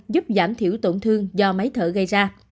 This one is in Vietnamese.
giúp giảm thiểu tổn thương do máy thở gây ra